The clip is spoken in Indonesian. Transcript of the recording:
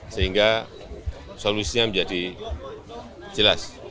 sehingga solusinya menjadi jelas